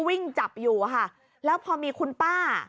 วิ่งจับอยู่ค่ะแล้วพอมีคุณป้า